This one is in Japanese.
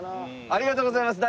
ありがとうございます。